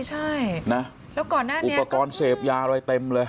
ใช่นะแล้วก่อนหน้านี้อุปกรณ์เสพยาอะไรเต็มเลย